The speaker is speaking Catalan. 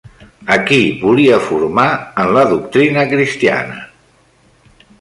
A qui volia formar en la doctrina cristiana?